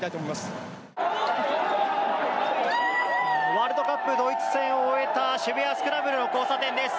ワールドカップドイツ戦を終えた渋谷スクランブル交差点です。